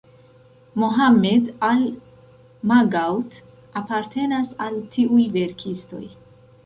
Mohamed Al-Maghout apartenas al tiuj verkistoj.